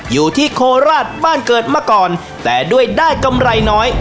โคราชบ้านเกิดมาก่อนแต่ด้วยได้กำไรน้อย